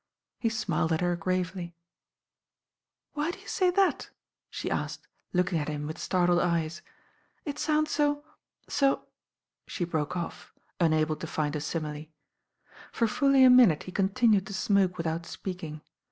He smiled at her gravely. "Why do you say that ?" she asked, looking at him with startled eyes. "It sounds so— so " the broke off, unable to find a simile. For fully a minute he continued to smoke without speaking.